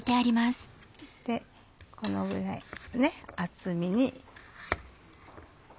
このぐらいの厚みに。